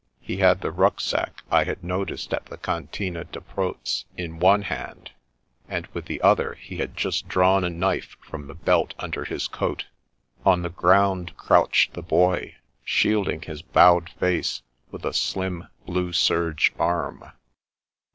He had the rucksack I had noticed at the Cantine de Proz in one hand, and with the other he had just drawn a knife from the belt under his coat. On the ground crouched the Boy, shielding his bowed face with a slim, blue serge arm.